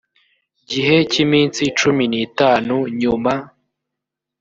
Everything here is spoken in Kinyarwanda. gihe cy iminsi cumi n itanu nyuma